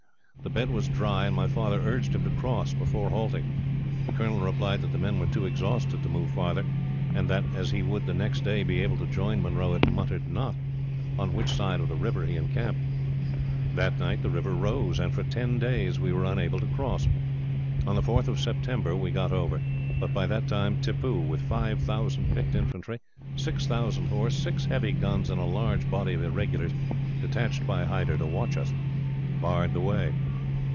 The bed was dry, and my father urged him to cross before halting. The colonel replied that the men were too exhausted to move farther, and that, as he would the next day be able to join Munro, it mattered not on which side of the river he encamped. "That night the river rose, and for ten days we were unable to cross. On the 4th of September we got over; but by that time Tippoo, with five thousand picked infantry, six thousand horse, six heavy guns, and a large body of irregulars, detached by Hyder to watch us, barred the way.